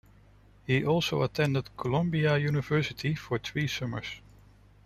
He also attended Columbia University for three summers.